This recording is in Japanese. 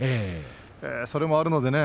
それもあるのでね